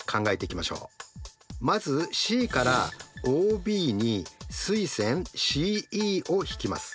まずＣからＯＢに垂線ＣＥを引きます。